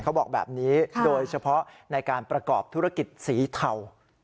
เขาบอกแบบนี้โดยเฉพาะในการประกอบธุรกิจสีเทา